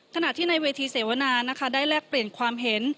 ขณะที่ในเวทีเสวนานะคะได้แลกเปลี่ยนความเห็น